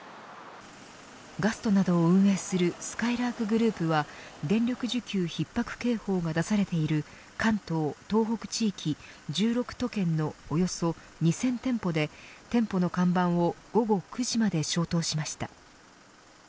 ガストなどを運営するすかいらーくグループは電力需給ひっ迫警報が出されている関東・東北地域１６都県のおよそ２０００店舗で店舗の看板を午後９時まで消灯しました。